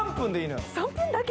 ３分だけ？